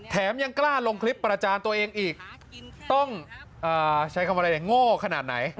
ยังกล้าลงคลิปประจานตัวเองอีกต้องใช้คำอะไรโง่ขนาดไหน